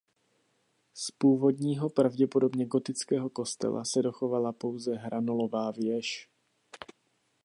Z původního pravděpodobně gotického kostela se dochovala pouze hranolová věž.